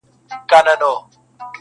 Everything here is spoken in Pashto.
مُلا ډوب سو په سبا یې جنازه سوه.!